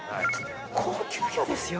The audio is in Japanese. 高級魚ですよ。